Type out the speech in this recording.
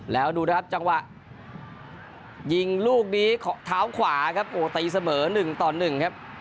แล้วดูนะครับจังหวะยิงลูกดีท้าวขวาครับโอ้ตีเสมอหนึ่งต่อหนึ่งครับ